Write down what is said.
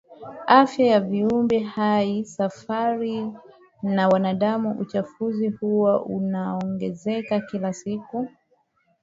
afya ya viumbe hai sayari na wanadamu Uchafuzi huu unaongezeka kila siku